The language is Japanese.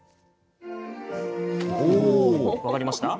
分かりました？